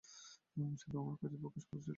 আমি শুধু আমার কাজে ফোকাস করার চেষ্টা করছি।